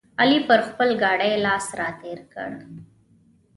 علي پر خپل ګاډي لاس راتېر کړ.